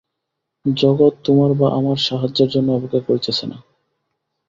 জগৎ তোমার বা আমার সাহায্যের জন্য অপেক্ষা করিতেছে না।